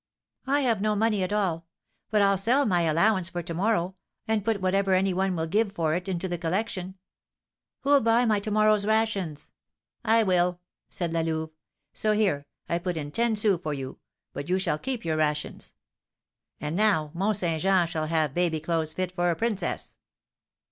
"I have no money at all; but I'll sell my allowance for to morrow, and put whatever any one will give for it into the collection. Who'll buy my to morrow's rations?" "I will," said La Louve. "So, here I put in ten sous for you; but you shall keep your rations. And now, Mont Saint Jean shall have baby clothes fit for a princess."